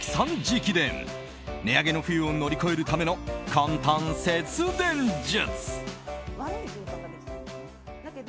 直伝値上げの冬を乗り越えるための簡単節電術。